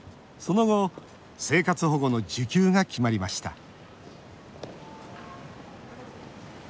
その後、生活保護の受給が決まりました